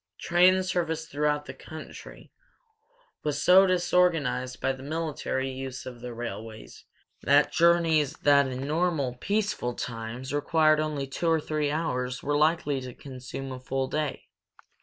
Train service throughout the country was so disorganized by the military use of the railways that journeys that in normal, peaceful times required only two or three hours were likely to consume a full day.